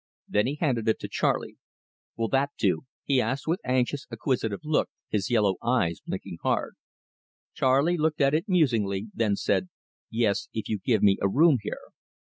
Then he handed it to Charley. "Will that do?" he asked with anxious, acquisitive look, his yellow eyes blinking hard. Charley looked at it musingly, then said "Yes, if you give me a room here."